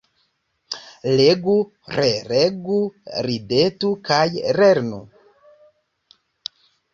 Legu, relegu, ridetu kaj lernu.